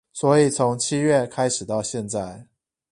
所以從七月開始到現在